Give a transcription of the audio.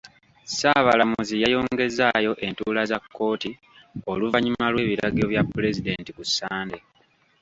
Ssaabalamuzi yayongezzaayo entuula za kkooti oluvannyuma lw'ebiragiro bya pulezidenti ku Ssande.